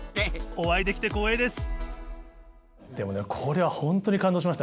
お会いできて光栄です！